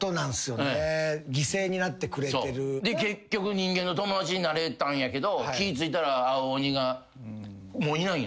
結局人間と友達になれたんやけど気ぃついたら青鬼がもういない。